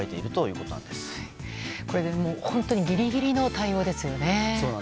これ、本当にギリギリの対応ですよね。